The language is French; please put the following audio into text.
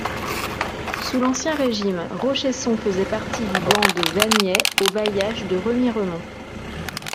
Sous l'Ancien Régime, Rochesson faisait partie du ban de Vagney, au bailliage de Remiremont.